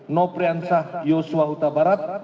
nopriansah yosua utabarat